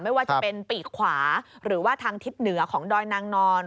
ไม่ว่าจะเป็นปีกขวาหรือว่าทางทิศเหนือของดอยนางนอน